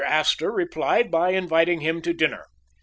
Astor replied by inviting him to dinner.